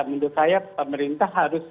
menurut saya pemerintah harus